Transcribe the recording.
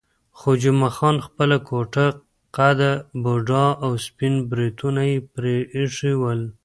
خو جمعه خان خپله کوټه قده، بوډا او سپین بریتونه یې پرې ایښي ول.